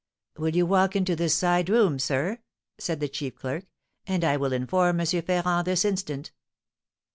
"Will you walk into this side room, sir?" said the chief clerk, "and I will inform M. Ferrand this instant."